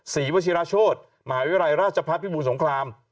ศรีวชิราโชธมหาวิทยาลัยราชพัฒนภิบูรสงคราม